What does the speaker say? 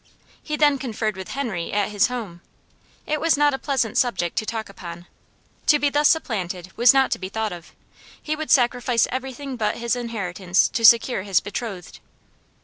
He then conferred with Henry at his home. It was not a pleasant subject to talk upon. To be thus supplanted, was not to be thought of. He would sacrifice everything but his inheritance to secure his betrothed.